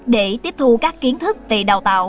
để tiếp thu các kiến thức về đào tạo